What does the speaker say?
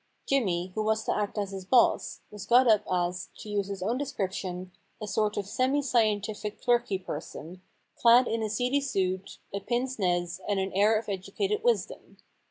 Jimmy, who was to act as his boss, was got up as, to use his own description, * a sort of semi scientific clerky person, clad in a seedy suit, a pince nez, and an air of educated wisdom.'